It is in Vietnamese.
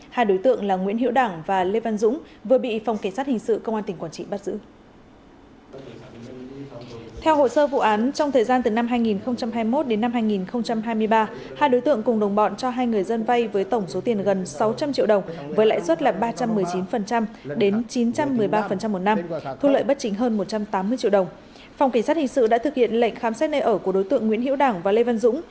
hai đối tượng là nguyễn hiệu đảng và lê văn dũng vừa bị phòng kỳ sát hình sự công an tỉnh quản trị bắt giữ